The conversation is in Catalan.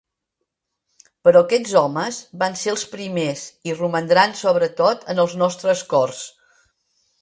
Però aquests homes van ser els primers, i romandran sobretot en els nostres cors.